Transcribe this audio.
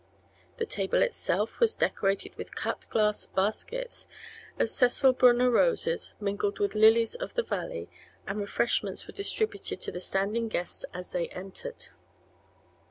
The table itself was decorated with cut glass baskets of Cecil Brunner roses mingled with lilies of the valley and refreshments were distributed to the standing guests as they entered.